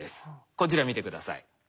こちら見て下さい。